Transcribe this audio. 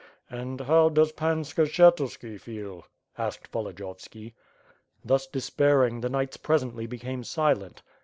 "And how does Pan Skshetuski feel?'^ asked Volodiyovski. Thus despairing, the knights presently became silent.